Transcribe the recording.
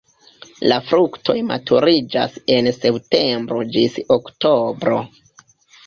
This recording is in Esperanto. La fruktoj maturiĝas en septembro ĝis oktobro.